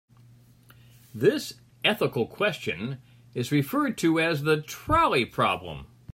This ethical question is referred to as the trolley problem.